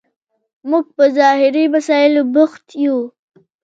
موږ په ظاهري مسایلو بوخت یو.